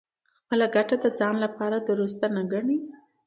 خپله ګټه د ځان لپاره دُرسته نه ګڼي.